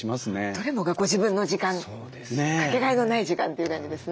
どれもがご自分の時間かけがえのない時間という感じですね。